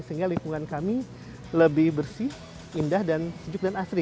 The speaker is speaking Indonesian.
sehingga lingkungan kami lebih bersih indah dan sejuk dan asri